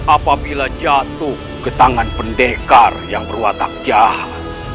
apabila jatuh ke tangan pendekar yang berwatak jahat